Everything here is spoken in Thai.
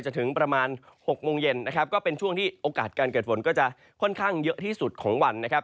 ถึงประมาณ๖โมงเย็นนะครับก็เป็นช่วงที่โอกาสการเกิดฝนก็จะค่อนข้างเยอะที่สุดของวันนะครับ